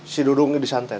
si dudung ini disantet